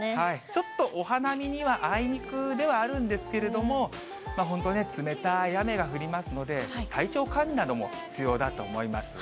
ちょっとお花見にはあいにくではあるんですけれども、本当ね、冷たい雨が降りますので、体調管理なども必要だと思います。